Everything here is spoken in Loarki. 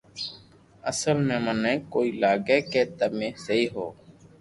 اسل مي مني ڪوئي لاگي ڪي تمي سھو ھون